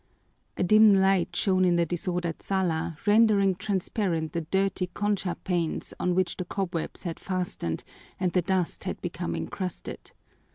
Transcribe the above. A dim light shone in the disordered sala, rendering transparent the dirty concha panes on which the cobwebs had fastened and the dust had become incrusted.